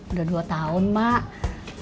udah dua tahun mak